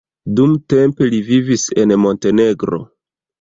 Dumtempe li vivis en Montenegro.